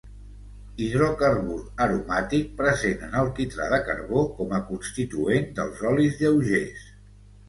Hidrocarbur aromàtic present en el quitrà de carbó com a constituent dels olis lleugers.